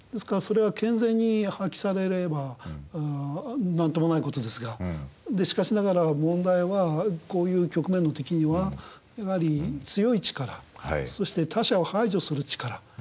それは健全に発揮されれば何ともない事ですがしかしながら問題はこういう局面の時には強い力そして他者を排除する力